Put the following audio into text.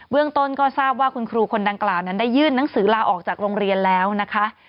เรื่องต้นก็ทราบว่าคุณครูคนดังกล่าวนั้นได้ยื่นหนังสือลาออกจากโรงเรียนแล้วนะคะ